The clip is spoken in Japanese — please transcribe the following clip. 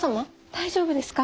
大丈夫ですか？